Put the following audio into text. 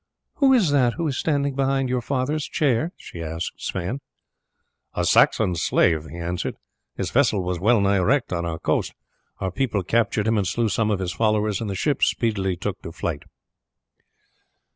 "Who is that who is standing behind your father's chair?" she asked Sweyn. "A Saxon slave," he answered. "His vessel was well nigh wrecked on our coast. Our people captured him and slew some of his followers, and the ship speedily took to flight."